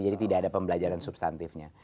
jadi tidak ada pembelajaran substantifnya